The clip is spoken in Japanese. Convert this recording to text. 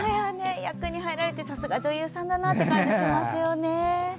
役にはいられててさすが、女優さんだなという感じがしますね。